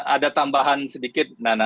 ada tambahan sedikit nana